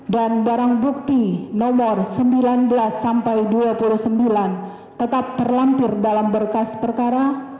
barang bukti nomor sembilan belas sampai dua puluh sembilan tetap terlampir dalam berkas perkara